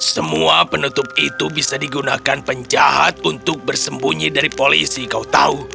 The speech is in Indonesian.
semua penutup itu bisa digunakan penjahat untuk bersembunyi dari polisi kau tahu